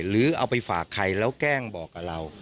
หรือเอาไปฝากใครแล้วแกล้งบอกกับเรา